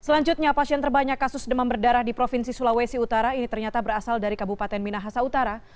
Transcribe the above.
selanjutnya pasien terbanyak kasus demam berdarah di provinsi sulawesi utara ini ternyata berasal dari kabupaten minahasa utara